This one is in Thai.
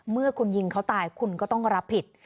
เมื่อคุณยิงเขาตายคุณก็ต้องรับผิด